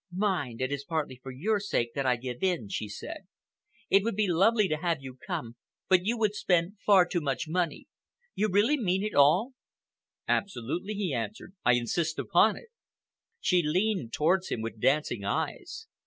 "Mind, it is partly for your sake that I give in," she said. "It would be lovely to have you come, but you would spend far too much money. You really mean it all?" "Absolutely," he answered. "I insist upon it." She leaned towards him with dancing eyes.